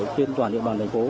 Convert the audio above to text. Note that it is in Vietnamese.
trên toàn địa bàn thành phố